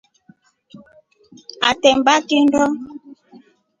Atemba kindo.